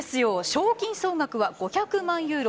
賞金総額は５００万ユーロ。